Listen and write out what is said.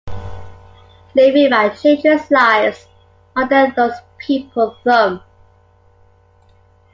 Leaving my children's lives under those people thumb.